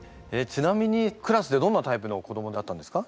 ちなみにクラスでどんなタイプの子どもだったんですか？